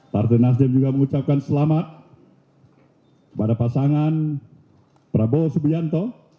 partai nasdem juga mengucapkan selamat pada pasangan prabowo subianto